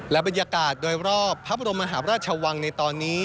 และบรรยากาศโดยรอบพระบรมมหาพระราชวังในตอนนี้